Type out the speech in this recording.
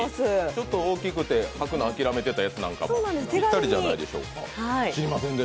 ちょっと大きくて履くのを諦めていたやつなんかもぴったりじゃないでしょうか。